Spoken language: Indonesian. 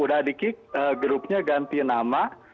udah di kick grupnya ganti nama